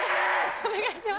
お願いします。